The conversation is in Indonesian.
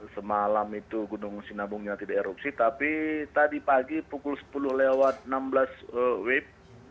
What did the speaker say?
semalam itu gunung sinabungnya tidak erupsi tapi tadi pagi pukul sepuluh lewat enam belas wib